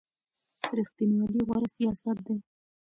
ریښتینولي غوره سیاست دی.